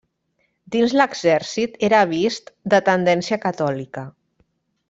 Dins l'exèrcit era vist de tendència catòlica.